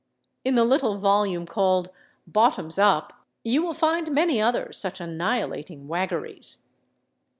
In the little volume called "Bottoms Up" you will find many other such annihilating waggeries.